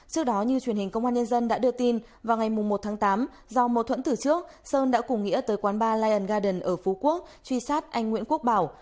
trước đó như truyền hình công an nhân dân đã đưa tin vào ngày một tháng tám do mâu thuẫn từ trước sơn đã cùng nghĩa tới quán ba lion garden ở phú quốc truy sát anh nguyễn quốc bảo